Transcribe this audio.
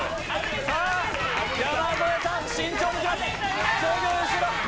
さあ、山添さん、慎重にいきます。